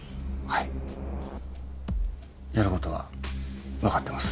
やることは分かってます。